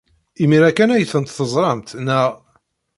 Imir-a kan ay tent-teẓramt, naɣ?